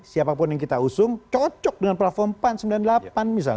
siapapun yang kita usung cocok dengan platform pan sembilan puluh delapan misalnya